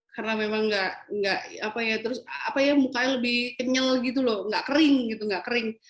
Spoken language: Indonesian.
karena memang nggak nggak apa ya terus apa ya mukanya lebih kenyal gitu loh nggak kering gitu nggak kering